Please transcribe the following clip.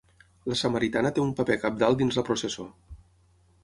La Samaritana té un paper cabdal dins la processó.